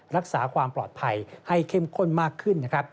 รักษาความปลอดภัยให้เข้มข้นมากขึ้นนะครับ